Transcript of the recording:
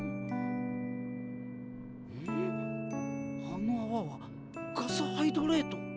あの泡はガスハイドレート。